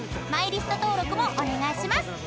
マイリスト登録もお願いします。